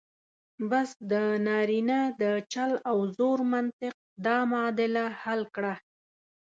بس د نارینه د چل او زور منطق دا معادله حل کړه.